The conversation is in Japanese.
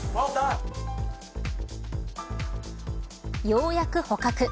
ようやく捕獲。